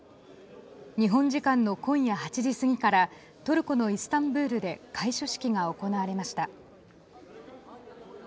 日本時間の今夜８時過ぎからトルコのイスタンブールで開所式が行われました。